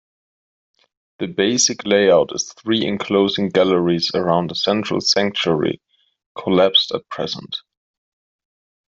The basic layout is three enclosing galleries around a central sanctuary, collapsed at present.